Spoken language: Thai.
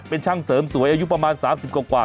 เป็นช่างเสริมสวยอายุประมาณ๓๐กว่า